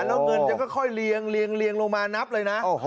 แล้วเงินจะค่อยเรียงลงมานับเลยนะ